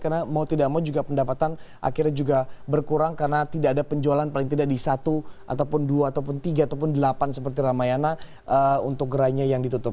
karena mau tidak mau juga pendapatan akhirnya juga berkurang karena tidak ada penjualan paling tidak di satu dua tiga atau delapan seperti ramai ramai untuk gerainya yang ditutup